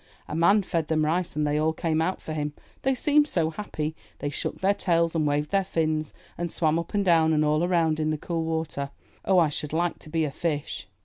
A man fed them rice and they all came out for him. They seemed so happy; they shook their tails and waved their fins and swam up and down and all around in the cool water. Oh, I should like to be a fish."